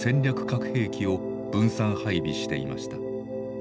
核兵器を分散配備していました。